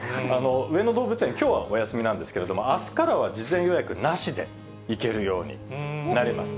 上野動物園、きょうはお休みなんですけれども、あすからは事前予約なしで行けるようになります。